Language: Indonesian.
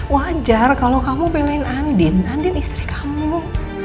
wajar kalau kamu pilih andin andin istri kamu